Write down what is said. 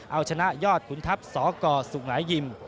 เอาชนะยอดขุนทัพสกสุงหายิม